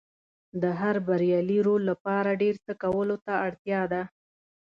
د هر بریالي رول لپاره ډېر څه کولو ته اړتیا ده.